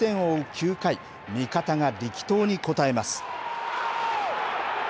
９回味方が力投に応えます。